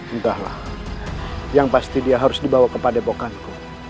entahlah yang pasti dia harus dibawa kepada bokanku